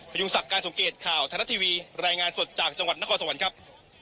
พยุงสักการสงเกตข่าวทางทัศน์ทีวีรายงานสดจากจังหวัดนครสวรรค์ครับ